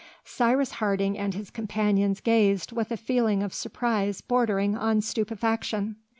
Cyrus Harding and his companions gazed, with a feeling of surprise bordering on stupefaction.